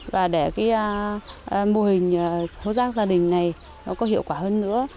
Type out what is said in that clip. và để mô hình hố rác gia đình này có hiệu quả hơn nữa